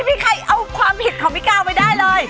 พี่ใครเอาความผิดของพี่ก้าวไปได้เลย